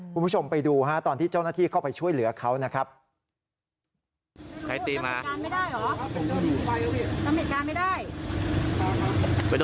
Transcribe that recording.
คุณผู้ชมไปดูตอนที่เจ้าหน้าที่เข้าไปช่วยเหลือเขานะครับ